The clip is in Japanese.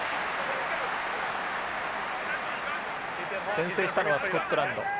先制したのはスコットランド。